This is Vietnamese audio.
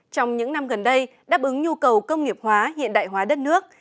trong những năm gần đây đáp ứng nhu cầu công nghiệp hóa hiện đại hóa đất nước